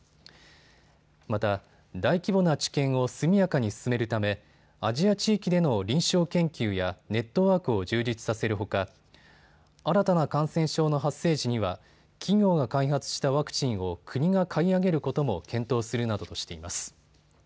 また大規模な治験を速やかに進めるためアジア地域での臨床研究やネットワークを充実させるほか新たな感染症の発生時には企業が開発したワクチンを国が買い上げることも検討するなどとしています。